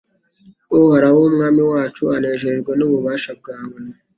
Uhoraho umwami wacu anejejwe n’ububasha bwawe